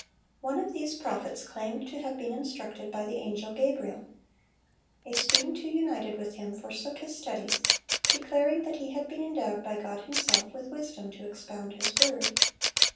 One of these prophets claimed to have been instructed by the angel Gabriel. A student who united with him forsook his studies, declaring that he had been endowed by God Himself with wisdom to expound His word.